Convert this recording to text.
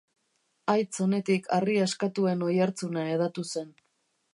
Haitz oinetik harri askatuen oihartzuna hedatu zen.